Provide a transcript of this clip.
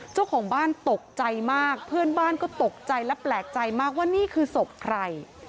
เจ้าของบ้านตกใจมากเพื่อนบ้านก็ตกใจและแปลกใจมากว่านี่คือศพใคร